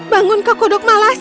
bangun kak kodok malas